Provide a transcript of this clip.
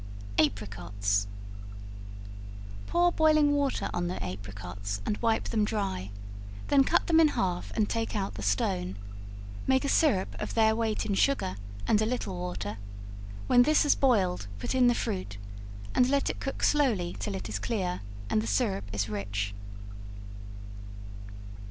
Apricots. Pour boiling water on the apricots and wipe them dry; then cut them in half and take out the stone; make a syrup of their weight in sugar, and a little water; when this has boiled, put in the fruit, and let it cook slowly till it is clear, and the syrup is rich.